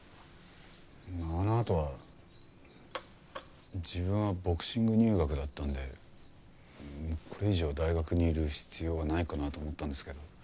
あのあとは自分はボクシング入学だったんでこれ以上大学にいる必要はないかなと思ったんですけど。